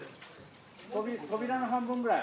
扉の半分ぐらい。